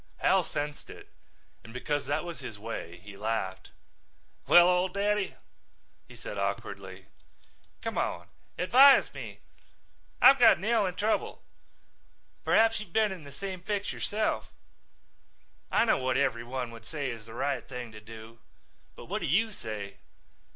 Hal sensed it and because that was his way he laughed. "Well, old daddy," he said awkwardly, "come on, advise me. I've got Nell in trouble. Perhaps you've been in the same fix yourself. I know what everyone would say is the right thing to do, but what do you say?